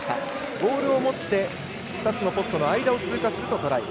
ボールを持って２つのポストの間を通過するとトライ。